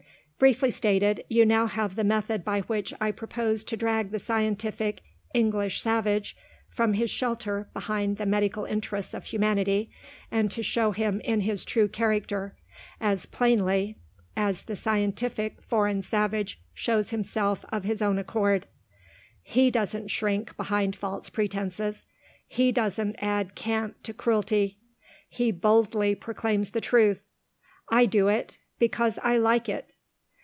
"Briefly stated, you now have the method by which I propose to drag the scientific English Savage from his shelter behind the medical interests of humanity, and to show him in his true character, as plainly as the scientific Foreign Savage shows himself of his own accord. He doesn't shrink behind false pretences. He doesn't add cant to cruelty. He boldly proclaims the truth: I do it, because I like it!"